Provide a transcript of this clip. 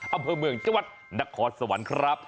อำเภอเมืองจังหวัดนครสวรรค์ครับ